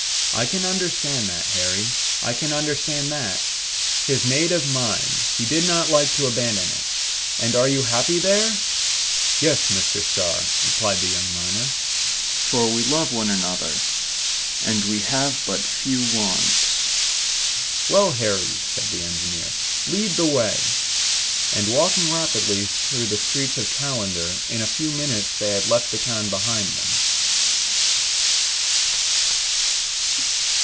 "I can understand that, Harry. I can understand that! His native mine! He did not like to abandon it! And are you happy there?" "Yes, Mr. Starr," replied the young miner, "for we love one another, and we have but few wants." "Well, Harry," said the engineer, "lead the way." And walking rapidly through the streets of Callander, in a few minutes they had left the town behind them.